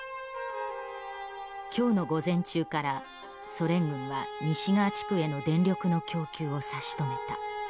「今日の午前中からソ連軍は西側地区への電力の供給を差し止めた。